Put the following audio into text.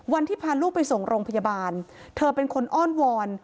พาลูกไปส่งโรงพยาบาลเธอเป็นคนอ้อนวอน